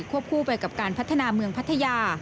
คู่ไปกับการพัฒนาเมืองพัทยา